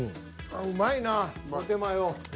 うまいなポテマヨ。